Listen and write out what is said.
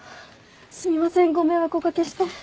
すみませんご迷惑おかけして。